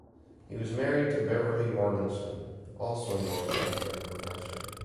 He was married to Beverly Mortensen, also a Northwestern Professor.